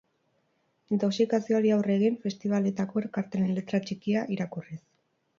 Intoxikazioari aurre egin, festibaletako kartelen letra txikia irakurriz.